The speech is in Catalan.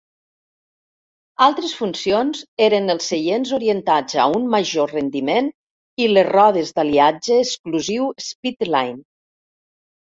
Altres funcions eren els seients orientats a un major rendiment i les rodes d'aliatge exclusiu Speedline.